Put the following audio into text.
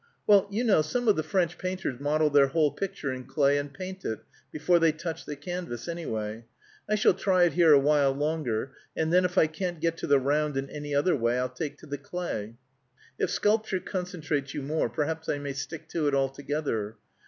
Well, you know some of the French painters model their whole picture in clay and paint it, before they touch the canvas, any way. I shall try it here awhile longer, and then if I can't get to the round in any other way, I'll take to the clay. If sculpture concentrates you more, perhaps I may stick to it altogether.